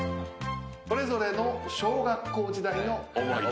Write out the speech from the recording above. それぞれの小学校時代の思い出。